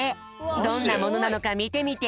どんなものなのかみてみて。